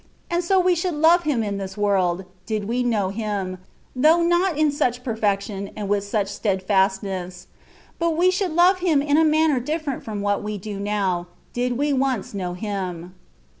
And so we should love Him in this world, did we know Him, though not in such perfection and with such steadfast ness:* but we should love Him in a manner diffe^ rent from what we do now, did we once know Him.